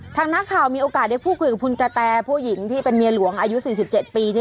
ทางนักข่าวมีโอกาสได้พูดคุยกับคุณกะแตผู้หญิงที่เป็นเมียหลวงอายุ๔๗ปี